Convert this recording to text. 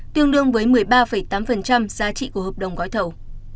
tương đương với một mươi ba tám giá trị của hợp đồng gói thầu